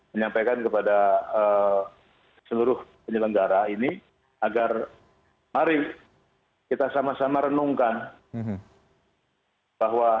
menyampaikan kepada seluruh penyelenggara ini agar mari kita sama sama renungkan bahwa